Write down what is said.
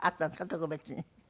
特別に。